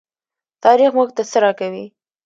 تاریخ موږ ته څه راکوي؟